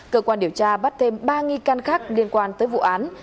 cơ quan điều tra bắt thêm ba nghi can khác liên quan tới vụ án